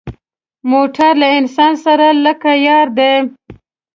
موټر له انسان سره لکه یار دی.